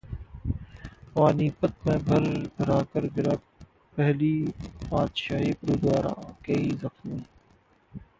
पानीपत में भरभराकर गिरा पहली पातशाही गुरुद्वारा, कई जख्मी